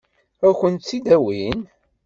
Ad kent-tt-id-awin?